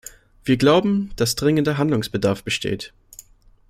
Wir glauben, dass dringender Handlungsbedarf besteht.